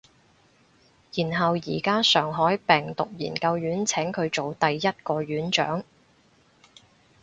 然後而家上海病毒研究院請佢做第一個院長